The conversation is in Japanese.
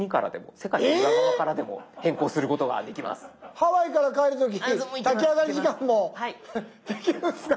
ハワイから帰る時に炊き上がり時間もできるんすか？